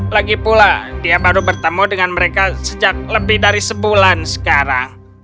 lagi pula dia baru bertemu dengan mereka sejak lebih dari sebulan sekarang